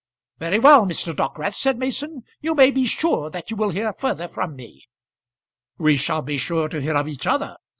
"Very well, Mr. Dockwrath," said Mason; "you may be sure that you will hear further from me." "We shall be sure to hear of each other.